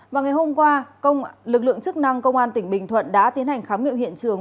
vào ngày hôm qua lực lượng chức năng công an tỉnh bình thuận đã tiến hành khám nghiệm hiện trường